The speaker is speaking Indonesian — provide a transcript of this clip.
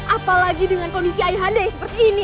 apalagi dengan kondisi ayu hande yang seperti ini